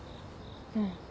うん。